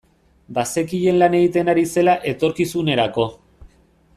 Bazekien lan egiten ari zela etorkizunerako.